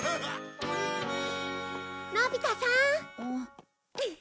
のび太さん！